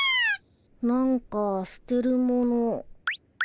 なんか捨てるもの。